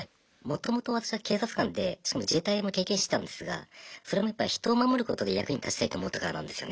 もともと私は警察官でしかも自衛隊も経験してたんですがそれもやっぱ人を守ることで役に立ちたいと思ったからなんですよね。